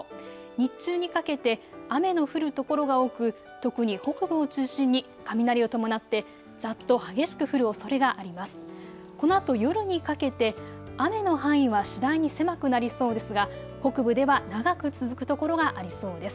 日中にかけて雨の降る所が多く、特に北部を中心に雷を伴ってざっと激しく降るおそれがあります。